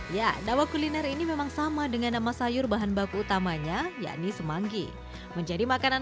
ya nama kuliner ini memang sama dengan nama sayur bahan baku utamanya yakni semanggi menjadi makanan